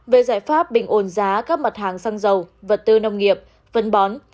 về giải pháp bình ồn giá các mặt hàng xăng dầu vật tư nông nghiệp vấn bón